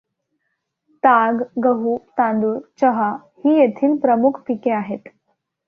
ताग, गहू, तांदूळ, चहा ही येथील प्रमुख पिके आहेत.